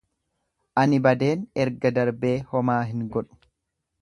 Ani badeen erga darbee homaa hin godhu.